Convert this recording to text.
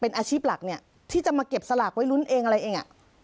เป็นอาชีพหลักเนี่ยที่จะมาเก็บสลากไว้ลุ้นเองอะไรเอง